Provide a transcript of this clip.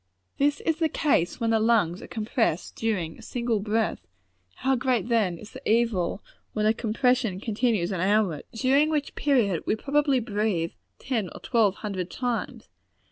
This is the case when the lungs are compressed during a single breath: how great, then, is the evil, when the compression continues an hour during which period we probably breathe ten or twelve hundred times!